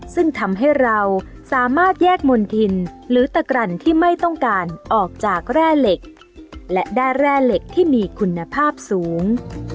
ซึ่งทำให้เราสามารถแยกมณฑินหรือตะกรั่นที่ไม่ต้องการออกจากแร่เหล็กและได้แร่เหล็กที่มีคุณภาพสูง